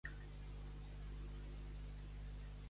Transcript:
Què li sembla l'explicació que ve de Madrid?